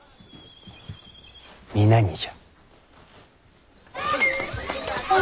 皆にじゃ。